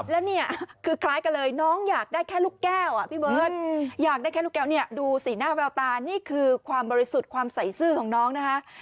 แล้วเนี่ยคือคล้ายกันเลยน้องอยากได้แค่ลูกแก้วอ่ะพี่เบิร์ตอยากได้แค่ลูกแก้วเนี่ยดูสีหน้าแววตานี่คือความบริสุทธิ์ความใส่ซื่อของน้องนะคะ